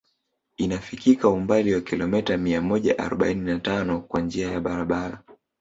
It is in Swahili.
Inafikika umbali wa kilomita mia moja arobaini na tano kwa njia ya barabara